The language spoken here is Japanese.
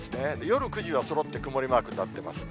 夜９時はそろって曇りマークになってます。